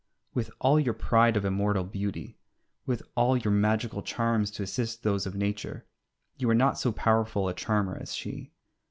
With all your pride of immortal beauty, with all your magical charms to assist those of Nature, you are not so powerful a charmer as she.